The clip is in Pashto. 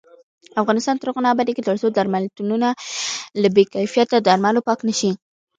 افغانستان تر هغو نه ابادیږي، ترڅو درملتونونه له بې کیفیته درملو پاک نشي.